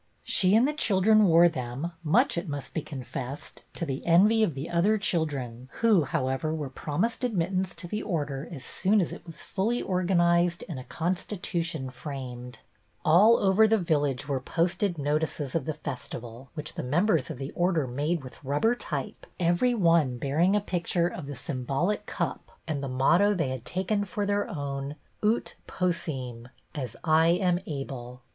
She and the children wore them, much, it must be confessed, to the envy of the other children, who, however, were promised admit tance to the Order as soon as it was fully I THE ORDER OF THE CUP 207 oro'anized and a constitution framed. All over the village were posted notices of the festival, which the members of the Order made with rubber type, every one bearing a picture of the symbolic Cup and the motto they had taken for their own, " Ut Possirn," " As I am able."